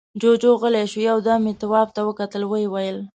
جُوجُو غلی شو، يو دم يې تواب ته وکتل، ويې ويل: